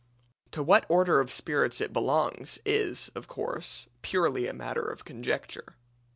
To what order of spirits it belongs is, of course, purely a matter of conjecture.